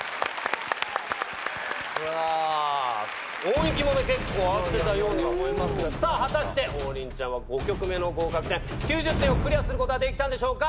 音域もね結構合ってたように思いますがさぁ果たして王林ちゃんは５曲目の合格点９０点をクリアすることはできたんでしょうか？